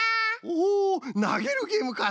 おなげるゲームか！